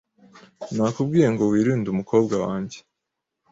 Nakubwiye ngo wirinde umukobwa wanjye .